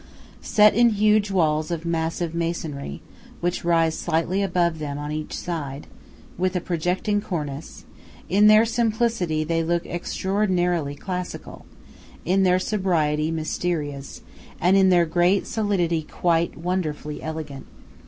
Set in huge walls of massive masonry, which rise slightly above them on each side, with a projecting cornice, in their simplicity they look extraordinarily classical, in their sobriety mysterious, and in their great solidity quite wonderfully elegant.